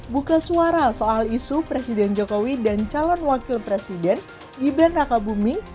buka suara soal isu presiden jokowi dan calon wakil presiden gibran raka buming